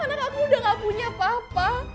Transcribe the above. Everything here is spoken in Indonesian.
anak aku udah gak punya papa